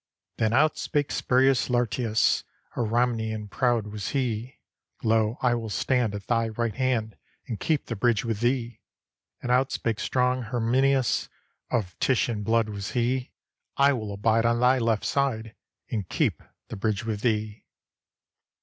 Then out spake Spurius Lartius; A Ramnian proud was he : "Lo, I will stand at thy right hand. And keep the bridge with thee." And out spake strong Herminius; Of Titian blood was he : "I will abide on thy left side, And keep the bridge with thee."